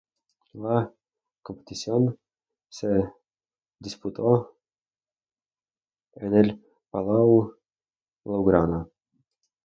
La competición se disputó en el Palau Blaugrana.